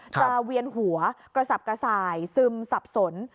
เวียนหัวกระสับกระส่ายซึมสับสน